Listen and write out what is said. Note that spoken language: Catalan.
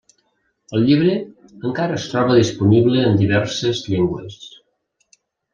El llibre encara es troba disponible en diverses llengües.